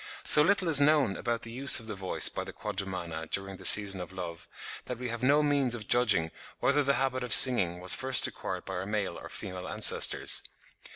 So little is known about the use of the voice by the Quadrumana during the season of love, that we have no means of judging whether the habit of singing was first acquired by our male or female ancestors.